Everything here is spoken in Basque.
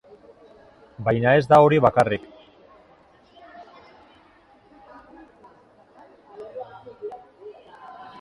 Baina ez da hori bakarrik.